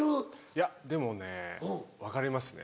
いやでもね分かりますね。